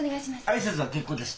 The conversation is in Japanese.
挨拶は結構です。